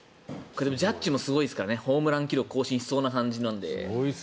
ジャッジもすごいですからホームラン記録を更新しそうな感じなので。